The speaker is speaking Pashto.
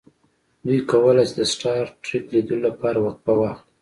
دوی کولی شي د سټار ټریک لیدلو لپاره وقفه واخلي